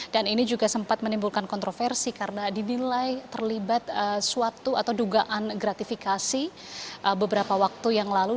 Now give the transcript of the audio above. dan ini juga sempat menimbulkan kontroversi karena dinilai terlibat suatu atau dugaan gratifikasi beberapa waktu yang lalu